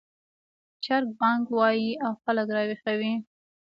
چرګ بانګ وايي او خلک راویښوي